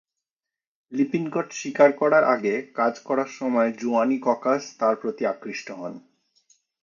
Lippincott স্বীকার করার আগে কাজ করার সময় জোয়ানি ককাস তার প্রতি আকৃষ্ট হন।